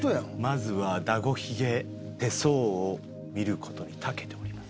まずはダゴひげ手相を見る事に長けております。